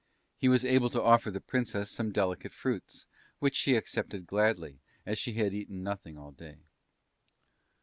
He was able to offer the Princess some delicate fruits, which she accepted gladly, as she had eaten nothing all day.